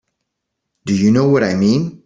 Do you know what I mean?